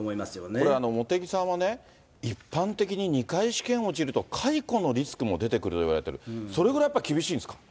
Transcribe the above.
これ、茂木さんは、一般的に２回試験落ちると、解雇のリスクも出てくるといわれている、それぐらいやっぱり厳しいんですか。